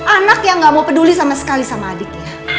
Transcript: anak yang gak mau peduli sama sekali sama adiknya